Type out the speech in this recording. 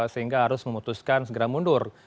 sehingga harus memutuskan segera mundur